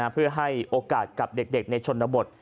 เพื่อให้โอกาสกับเด็กในชนบท